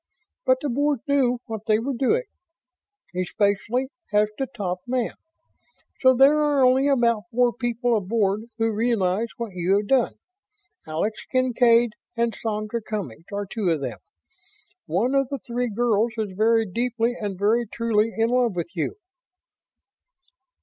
But the Board knew what they were doing especially as to top man so there are only about four people aboard who realize what you have done. Alex Kincaid and Sandra Cummings are two of them. One of the three girls is very deeply and very truly in love with you."